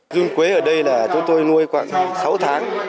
dung quế ở đây là chúng tôi nuôi khoảng sáu tháng